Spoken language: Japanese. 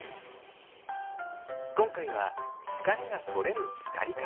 今回は疲れがとれるつかり方に注目。